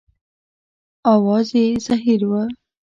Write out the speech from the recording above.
اواز یې زهیر و.